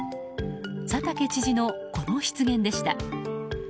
佐竹知事の、この失言でした。